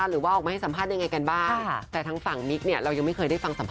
หรือว่าออกมาให้สัมภาษณ์อย่างไรกันบ้าง